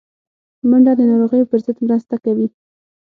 منډه د ناروغیو پر ضد مرسته کوي